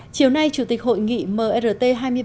chiều nay chủ tịch hội nghị mrt hai mươi ba